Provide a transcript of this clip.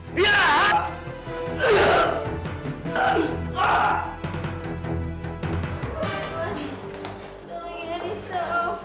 irwan tolong ya diso